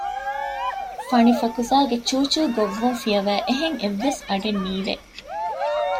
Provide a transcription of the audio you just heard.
ފަނިފަކުސާގެ ޗޫޗޫ ގޮއްވުން ފިޔަވައި އެހެން އެއްވެސް އަޑެއް ނީވެ